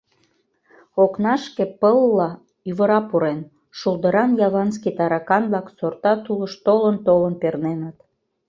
Окнашке пылла ӱвыра пурен, шулдыран яванский таракан-влак сорта тулыш толын-толын перненыт.